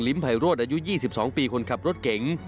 ภัยโรธอายุ๒๒ปีคนขับรถเก๋ง